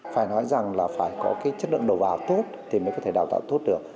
phải nói rằng là phải có cái chất lượng đầu vào tốt thì mới có thể đào tạo tốt được